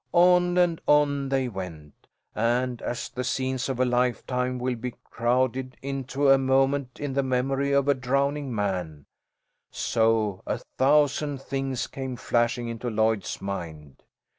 On and on they went, and, as the scenes of a lifetime will be crowded into a moment in the memory of a drowning man, so a thousand things came flashing into Lloyd's mind.